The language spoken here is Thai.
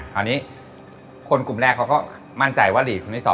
คราวนี้คนกลุ่มแรกเขาก็มั่นใจว่าลีกคนที่๒